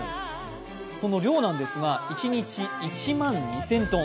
その量なんですが１日１万２０００トン。